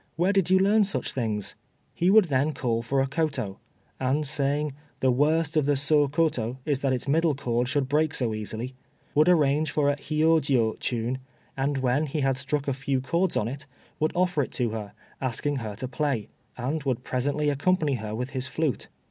Where did you learn such things?" He would then call for a koto, and saying "The worst of the soh koto is that its middle chord should break so easily," would arrange it for a Hiôjiô tune, and when he had struck a few chords on it, would offer it to her, asking her to play, and would presently accompany her with his flute.